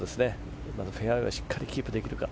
フェアウェーしっかりキープできるか。